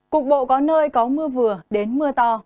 cục bộ có nơi có mưa vừa đến mưa to